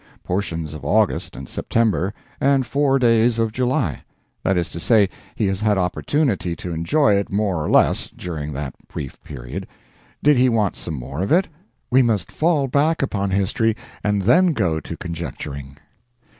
Portions of August and September, and four days of July. That is to say, he has had opportunity to enjoy it, more or less, during that brief period. Did he want some more of it? We must fall back upon history, and then go to conjecturing.